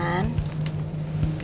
aku udah bikinin kau makanan